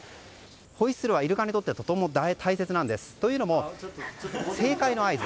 ホイッスルは、イルカにとってとても大切でというのも、正解の合図。